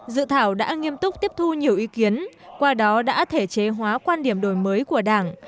dự thảo đã nghiêm túc tiếp thu nhiều ý kiến qua đó đã thể chế hóa quan điểm đổi mới của đảng